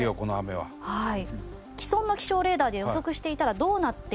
はい。